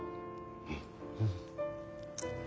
うんうん。